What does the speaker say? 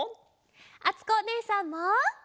あつこおねえさんも！